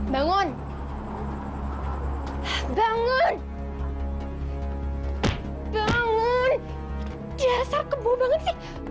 bangun bangun bangun bangun